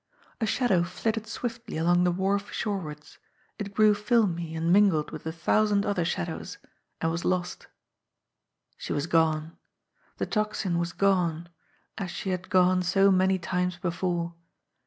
A shadow flitted swiftly along the wharf shorewards; it grew filmy and mingled with a thousand other shadows and was lost. She was gone! The Tocsin was gone as she had gone so many times before.